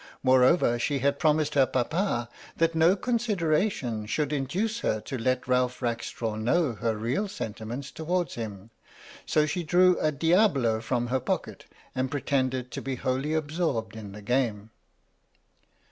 Moreover, she had promised her papa that no consideration should induce her to let Ralph Rackstraw know her real sentiments towards him, soshedrewa"Diabolo" 1 from her pocket and pretended to be wholly absorbed in the game.